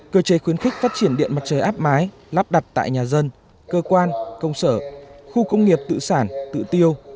cơ chế khuyến khích phát triển điện mặt trời áp mái lắp đặt tại nhà dân cơ quan công sở khu công nghiệp tự sản tự tiêu